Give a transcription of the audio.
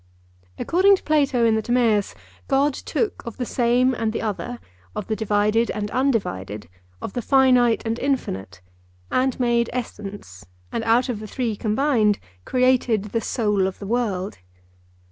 According to Plato in the Timaeus, God took of the same and the other, of the divided and undivided, of the finite and infinite, and made essence, and out of the three combined created the soul of the world.